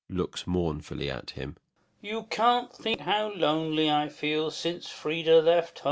[Looks mournfully at him.] You can't think how lonely I feel since Frida left home.